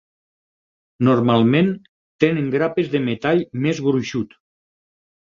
Normalment tenen grapes de metall més gruixut.